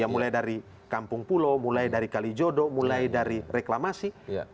mulai dari kampung pulau mulai dari kalijodo mulai dari reklamasi